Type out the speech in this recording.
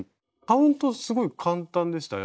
カウントすごい簡単でした？